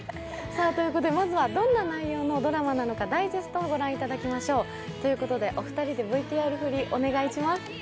まずはどんな内容のドラマなのかダイジェストをご覧ください。ということで、お二人でＶＴＲ振り、お願いします。